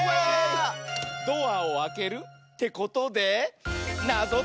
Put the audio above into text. ドアをあけるってことでなぞとき。